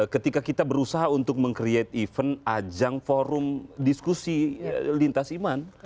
ketika kita berusaha untuk meng create event ajang forum diskusi lintas iman